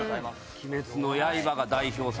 『鬼滅の刃』が代表作。